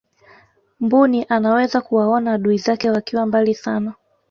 mbuni anaweza kuwaona adui zake wakiwa mbali sana